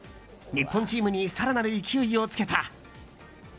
日本チームに更なる勢いをつけた。